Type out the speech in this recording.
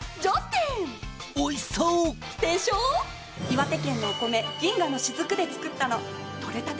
岩手県のお米「銀河のしずく」で作ったの。